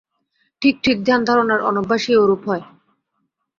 ঠিকঠিক ধ্যানধারণার অনভ্যাসেই ওরূপ হয়।